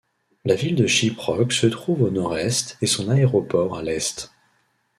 La ville de Shiprock se trouve au nord-est et son aéroport à l'est.